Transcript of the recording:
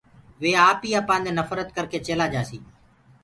وي آپيٚ اپانٚ دي نڦرت ڪرڪي چيلآ جآسيٚ